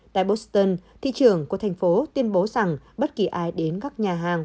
tại boston thị trưởng của thành phố tuyên bố rằng bất kỳ ai đến các nhà hàng